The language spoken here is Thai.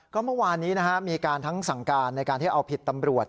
ก็เมื่อวานนี้มีการทั้งสั่งการในการที่เอาผิดตำรวจ